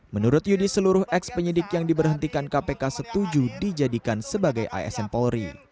menurut yudi seluruh ex penyidik yang diberhentikan kpk setuju dijadikan sebagai asn polri